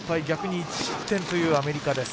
逆に１失点というアメリカ。